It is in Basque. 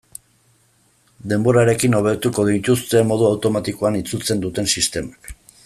Denborarekin hobetuko dituzte modu automatikoan itzultzen duten sistemak.